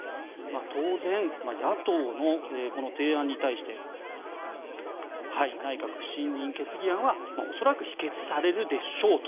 当然、野党の提案に対して内閣不信任決議案は恐らく否決されるでしょうと。